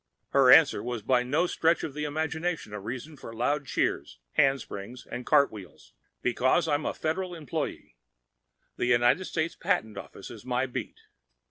Her answer was by no stretch of the imagination a reason for loud cheers, handsprings and cartwheels. Because I'm a Federal employee. The United States Patent Office is my beat.